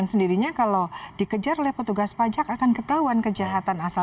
sendirinya kalau dikejar oleh petugas pajak akan ketahuan kejahatan asal